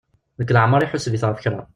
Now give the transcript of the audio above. Deg leɛmer iḥuseb-it ɣef kra.